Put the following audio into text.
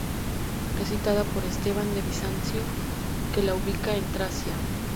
Es citada por Esteban de Bizancio, que la ubica en Tracia.